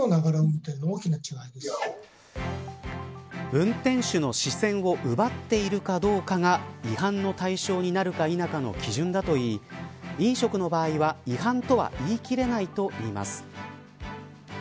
運転手の視線を奪っているかどうかが違反の対象になるか否かの基準だといい飲食の場合は、違反とは言い切れないといいます。